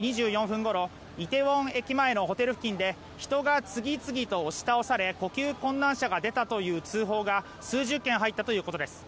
韓国消防によりますと昨日午後１０時２４分ごろイテウォン駅前のホテル付近で人が次々と押し倒され呼吸困難者が出たという通報が数十件、入ったということです。